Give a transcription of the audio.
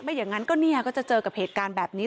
ไม่อย่างนั้นก็เจอกับเหตุการณ์แบบนี้